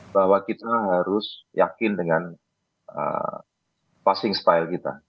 bahwa kita harus yakin dengan passing style kita